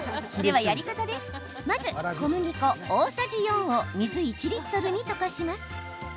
まず小麦粉大さじ４を水１リットルに溶かします。